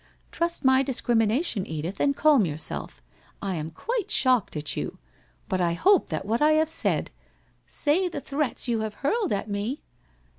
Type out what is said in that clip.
Trust my discrimination, Edith, and calm yourself. I am quite shocked at you. But I hope that what I have said '' Say the threats you have hurled at me